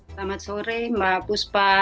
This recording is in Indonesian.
selamat sore mbak buspa